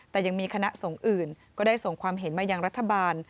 แต่ยังมีคณะสงฆ์อื่นก็ได้ส่งความเห็นมายังรัฐบาล